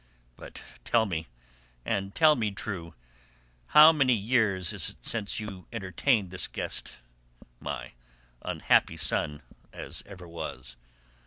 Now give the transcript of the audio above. But tell me, and tell me true, how many years is it since you entertained this guest—my unhappy son, as ever was?